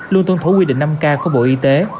luôn tuân thủ quy định năm k của bộ y tế